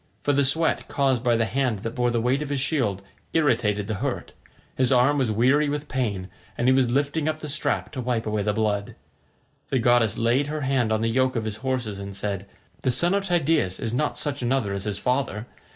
For the sweat caused by the hand that bore the weight of his shield irritated the hurt: his arm was weary with pain, and he was lifting up the strap to wipe away the blood. The goddess laid her hand on the yoke of his horses and said, "The son of Tydeus is not such another as his father.